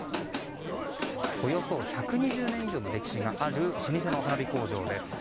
およそ１２０年以上の歴史がある老舗の花火工場です。